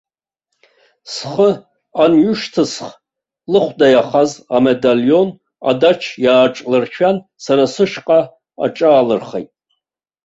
Схы анҩышьҭысх, лыхәда иахаз амедалион адаҷ иааҿлыршәан, сара сышҟа аҿаалырхеит.